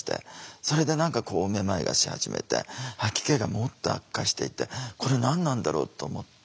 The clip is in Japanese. それで何かこうめまいがし始めて吐き気がもっと悪化していって「これ何なんだろう」と思って。